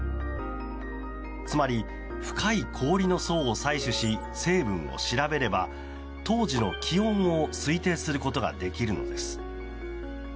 つまり、深い氷の層を採取し成分を調べれば当時の気温を推定することができるのです。